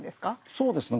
そうですね